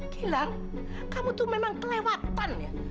gilang kamu tuh memang kelewatan ya